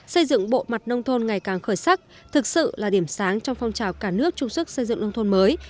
xây dựng bộ mặt nông thôn ngày càng khởi sắc thực sự là điểm sáng trong phong trào cả nước chung sức xây dựng nông thôn mới